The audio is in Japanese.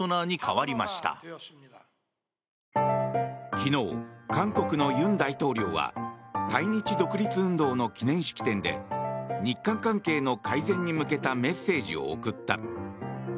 昨日、韓国の尹大統領は対日独立運動の記念式典で日韓関係の改善に向けたメッセージを送った。